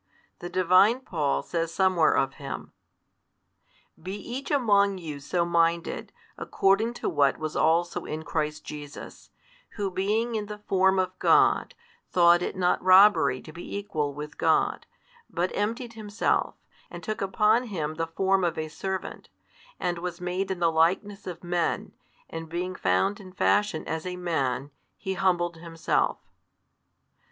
The divine Paul says somewhere of Him: Be each among you so 1 minded, according to what was also in Christ Jesus, Who being in the form of God, thought it not robbery to be equal with God, but emptied Himself, and took upon Him the form of a servant, and was made in the likeness of men, and being found in fashion as a Man, He humbled Himself.